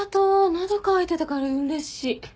喉渇いてたからうれしい。